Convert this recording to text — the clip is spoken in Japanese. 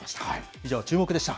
以上、チューモク！でした。